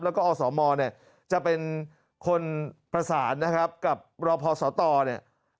แล้วก็อสมเนี่ยจะเป็นคนประสานนะครับกับรอพอสตเนี่ย